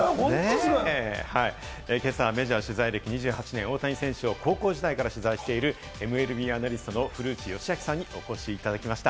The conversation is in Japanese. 今朝はメジャー取材歴２８年、大谷選手を高校時代から取材しているＭＬＢアナリストの古内義明さんにお越しいただきました。